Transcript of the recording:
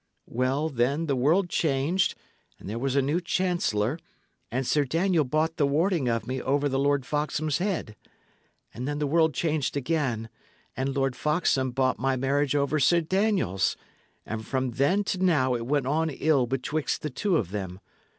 Well, then the world changed, and there was a new chancellor, and Sir Daniel bought the warding of me over the Lord Foxham's head. And then the world changed again, and Lord Foxham bought my marriage over Sir Daniel's; and from then to now it went on ill betwixt the two of them.